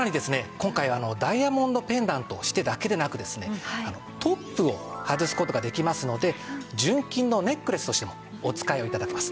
今回ダイヤモンドペンダントとしてだけでなくですねトップを外す事ができますので純金のネックレスとしてもお使いを頂けます。